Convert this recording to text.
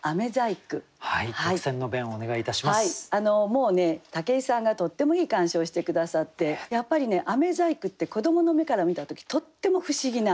もうね武井さんがとってもいい鑑賞をして下さってやっぱりね細工って子どもの目から見た時とっても不思議な。